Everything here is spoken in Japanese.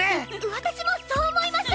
私もそう思います！